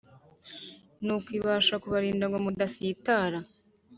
nuko ibasha kubarinda ngo mudasitara